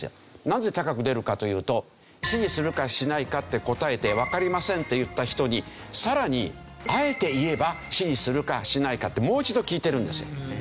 なぜ高く出るかというと支持するかしないかって答えてわかりませんって言った人にさらにあえていえば支持するかしないかってもう一度聞いてるんです。